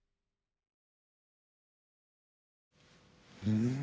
うん。